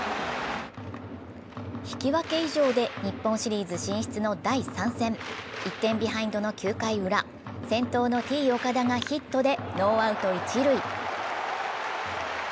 引き分け以上で日本シリーズ進出の第３戦、１点ビハインドの９回ウラ、先頭のＴ−岡田がヒットでノーアウト一塁。